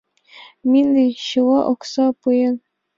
Мине чила окса пуэн.